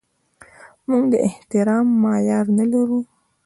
موږ د احترام معیار نه لرو.